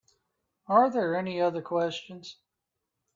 Are there any other questions?